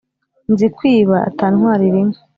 Nzikwiba atantwarira inka"